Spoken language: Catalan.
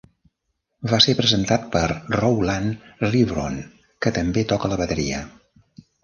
Va ser presentat per Rowland Rivron, que també toca la bateria.